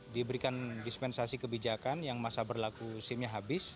diberikan dispensasi kebijakan yang masa berlaku sim nya habis